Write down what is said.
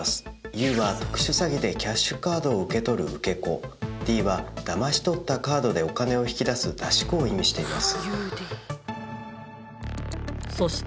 「Ｕ」は特殊詐欺でキャッシュカードを受け取る「受け子」「Ｄ」はだまし取ったカードでお金を引き出す「出し子」を意味しています